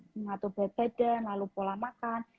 mengatur bad bad lalu pola makan